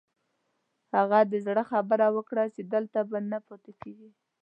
هغه د زړه خبره وکړه چې دلته به نه پاتې کېږي.